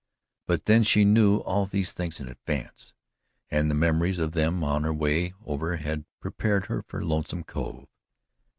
But then she knew all these things in advance, and the memories of them on her way over had prepared her for Lonesome Cove.